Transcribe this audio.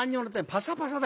パサパサだよ。